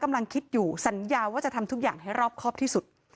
กำลังคิดอยู่สัญญาว่าจะทำทุกอย่างให้รอบครอบที่สุด